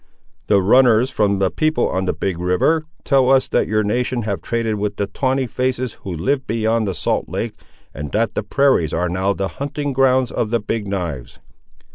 "The runners from the people on the Big river, tell us that your nation have traded with the Tawney faces who live beyond the salt lake, and that the prairies are now the hunting grounds of the Big knives!"